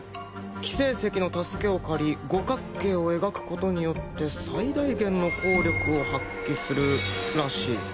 輝聖石の助けを借り五角形を描くことによって最大限の効力を発揮するらしい。